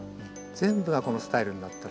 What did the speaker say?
全部がこのスタイルになったら。